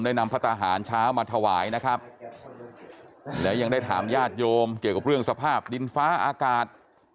นำพระทหารเช้ามาถวายนะครับและยังได้ถามญาติโยมเกี่ยวกับเรื่องสภาพดินฟ้าอากาศ